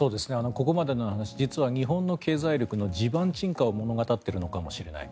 ここまでの話実は、日本の経済力の地盤沈下を物語っているのかもしれない。